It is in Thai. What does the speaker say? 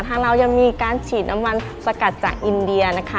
เรายังมีการฉีดน้ำมันสกัดจากอินเดียนะคะ